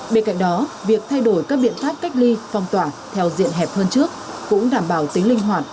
bên cạnh đó việc thay đổi các biện pháp cách ly phong tỏa theo diện hẹp hơn trước cũng đảm bảo tính linh hoạt